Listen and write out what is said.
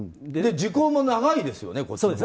時効も長いですよね。